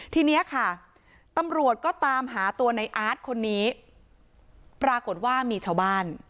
ทีนี้ค่ะตำรวจก็ตามหาตัวในอาร์ตคนนี้ปรากฏว่ามีชาวบ้าน